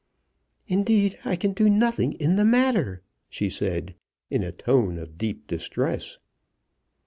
"Indeed I can do nothing in the matter," she said, in a tone of deep distress.